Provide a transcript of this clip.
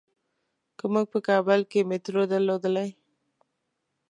که مونږ په کابل کې مېټرو درلودلای.